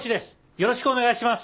よろしくお願いします。